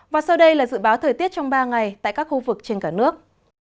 và sau đây là dự báo thời tiết trong ba ngày tại các khu vực trên cả nước